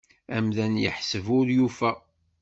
Amdan yeḥseb ur yufa.